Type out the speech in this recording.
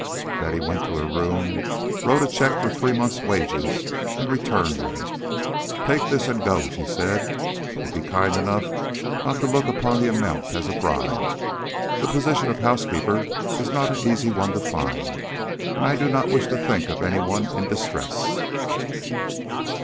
Betty went to her room, wrote a cheque for three months' wages and returned with it. "Take this and go," she said. "And be kind enough not to look upon the amount as a bribe. The position of housekeeper is not an easy one to find, and I do not wish to think of any one in distress."